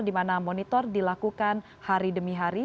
di mana monitor dilakukan hari demi hari